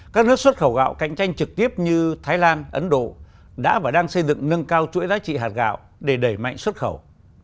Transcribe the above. các nước xuất khẩu gạo cạnh tranh trực tiếp như thái lan ấn độ đã và đang xây dựng nâng cao chuỗi giá trị hạt gạo để đẩy mạnh xuất khẩu